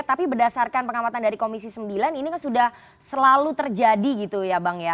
tapi berdasarkan pengamatan dari komisi sembilan ini kan sudah selalu terjadi gitu ya bang ya